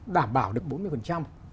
đảm bảo được bốn mươi